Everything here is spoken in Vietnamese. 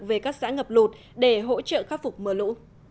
về các xã ngập lụt để hỗ trợ khắc phục mưa lũ